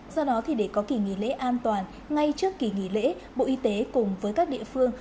do đó thì để có kỳ nghỉ lễ an toàn ngay trước kỳ nghỉ lễ bộ y tế cùng với các địa phương